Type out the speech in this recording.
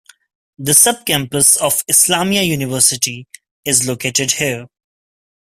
The sub-campus of Islamia University is located here.